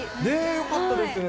よかったですよね。